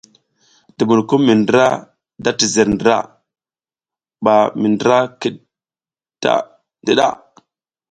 Dubunukum mi ndra da tizer ndra ɓa mi ndra kiɗ ta ndiɗa.